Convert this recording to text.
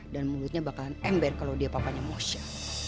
dan mulutnya bakalan ember kalau dia papanya mosya